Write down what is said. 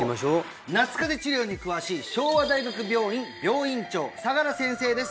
夏風邪治療に詳しい昭和大学病院病院長相良先生です